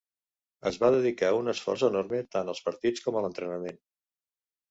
Es va dedicar un esforç enorme tant als partits com a l'entrenament.